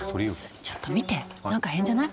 ちょっと見て何か変じゃない？